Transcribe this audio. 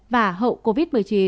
và hậu covid một mươi chín